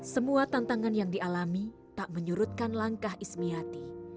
semua tantangan yang dialami tak menyurutkan langkah ismiati